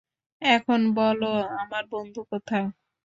এখন বল আমার বন্ধু কোথায়?